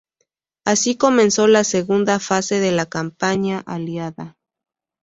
Así comenzó la segunda fase de la campaña aliada.